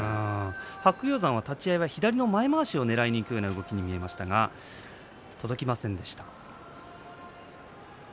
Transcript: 白鷹山は立ち合い左のまま足を取りにいくような動きが見えましたが、届きませんでした。